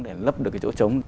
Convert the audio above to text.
để lấp được chỗ trống